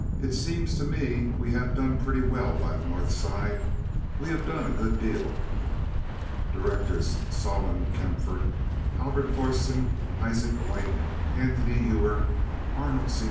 "It seems to me we have done pretty well by the North Side. We have done a good deal." Directors Solon Kaempfaert, Albert Thorsen, Isaac White, Anthony Ewer, Arnold C.